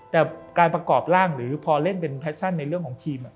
แต่การประกอบร่างหรือพอเล่นเป็นแพชชั่นในเรื่องของทีม